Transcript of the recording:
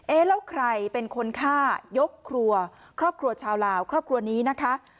แล้วใครเป็นคนฆ่ายกครัวครอบครัวชาวลาวครอบครัวนี้นะคะ